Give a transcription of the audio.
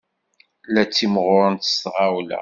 La ttimɣurent s tɣawla.